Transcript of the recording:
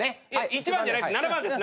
１番じゃない７番です。